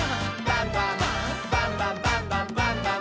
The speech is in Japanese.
バンバン」「バンバンバンバンバンバン！」